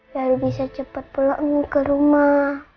biar bisa cepat pulang ke rumah